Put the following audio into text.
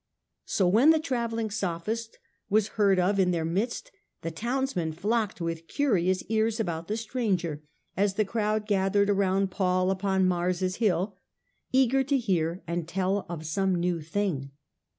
So when the travelling Sophist was heard of in their midst, the townsmen flocked with curious ears about the stranger, as the crowed gathered around ^ 1 The various Paul upon Mars^ Hill, eager to hear and classes of tell of some new thing.